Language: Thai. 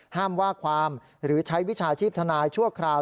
ห้ามว่าความหรือใช้วิชาชีพทนายชั่วคราว